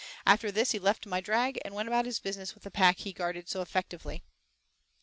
After this he left my drag and went about his business with the pack he guarded so effectively.